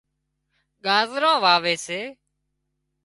ڳازران واوي سي